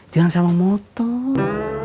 jangan sama motor